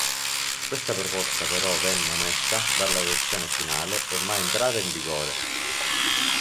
Questa proposta però venne omessa dalla versione finale e mai entrata in vigore.